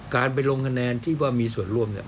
การไปลงคะแนนที่ว่ามีส่วนร่วมเนี่ย